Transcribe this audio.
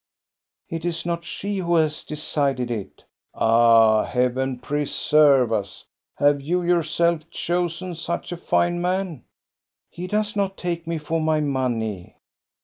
" It is not she who has decided it." " Ah, Heaven preserve us !— have you yourself chosen such a fine man?" " He does not take me for my money."